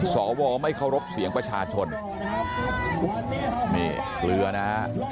สวไม่เคารพเสียงประชาชนนี่เกลือนะฮะ